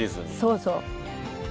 そうそう。